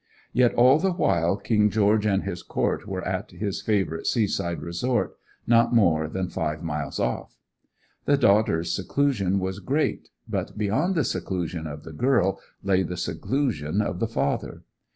Yet all the while King George and his court were at his favourite sea side resort, not more than five miles off. The daughter's seclusion was great, but beyond the seclusion of the girl lay the seclusion of the father.